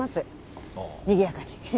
にぎやかに。